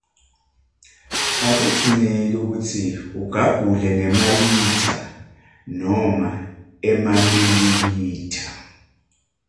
Akudzingeki kutsi ugagule ngemalitha noma emamililitha.